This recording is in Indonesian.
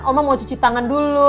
oma mau cuci tangan dulu